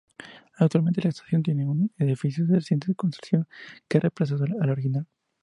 Actualmente la estación tiene un edificio de reciente construcción que ha reemplazado al original.